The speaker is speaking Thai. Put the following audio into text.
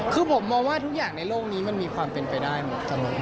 คือผมมองว่าทุกอย่างในโลกนี้มันมีความเป็นไปได้หมด